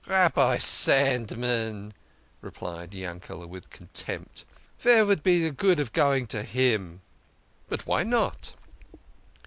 "" Rabbi Sandman !" replied Yankele" with contempt. " Vere vould be de good of going to him ?"" But why not?